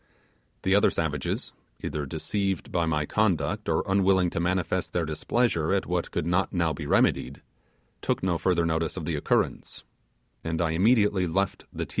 The other savages, either deceived by my conduct or unwilling to manifest their displeasure at what could not now be remedied, took no further notice of the occurrence, and I immediately left the Ti.